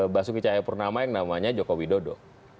basuki cahayapurnama yang namanya jokowi dodo